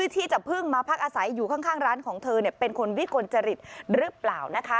ที่จะเพิ่งมาพักอาศัยอยู่ข้างร้านของเธอเป็นคนวิกลจริตหรือเปล่านะคะ